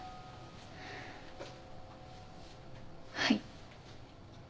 はい。